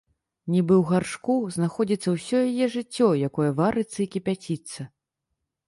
Нібы ў гаршку знаходзіцца ўсё яе жыццё, якое варыцца і кіпяціцца.